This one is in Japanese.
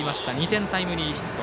２点タイムリーヒット。